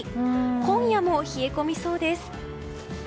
今夜も冷え込みそうです。